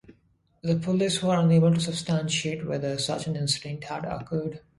The police were unable to substantiate whether such an incident had occurred.